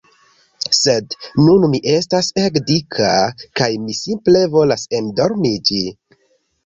Sed nun mi estas ege dika kaj mi simple volas endormiĝi